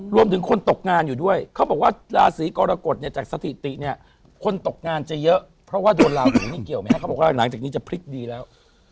คนตกงานอยู่ด้วยเขาบอกว่าราศีกรกฎเนี่ยจากสถิติเนี่ยคนตกงานจะเยอะเพราะว่าโดนลาหูนี่เกี่ยวไหมครับเขาบอกว่าหลังจากนี้จะพลิกดีแล้ว